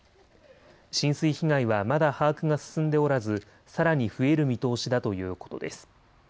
浸水被害はまだ把握が進んでおらず、さらに増える見通しだということです。